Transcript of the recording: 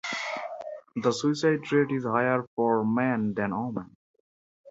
The suicide rate is higher for men than women.